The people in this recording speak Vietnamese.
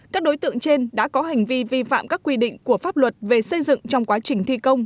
các đối tượng trên đã có hành vi vi phạm các quy định của pháp luật về xây dựng trong quá trình thi công